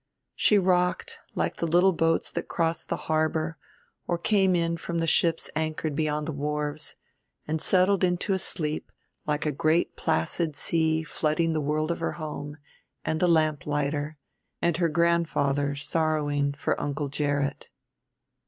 She rocked like the little boats that crossed the harbor or came in from the ships anchored beyond the wharves, and settled into a sleep like a great placid sea flooding the world of her home and the lamplighter and her grandfather sorrowing for Uncle Gerrit.